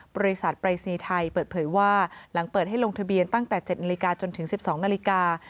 บริษัทปรายศนีย์ไทยเปิดเผยว่าหลังเปิดให้ลงทะเบียนตั้งแต่๗นาฬิกาจนถึง๑๒นาฬิกา